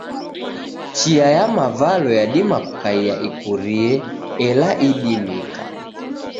Chia ya mavalo yadima kukaiya ikurie, ela idimika.